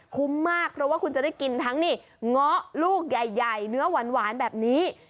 คุ้มมากเพราะว่าคุณจะได้กินทั้งนี่เงาะลูกใหญ่เนื้อหวานแบบนี้